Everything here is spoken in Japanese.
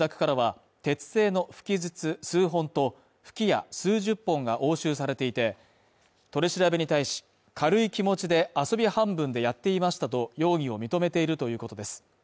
田口容疑者の自宅からは、鉄製の吹き筒数本と吹き矢数十本が押収されていて、取り調べに対し、軽い気持ちで遊び半分でやっていましたと容疑を認めているということです